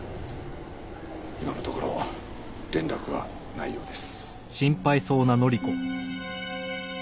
今のところ連絡はないようです。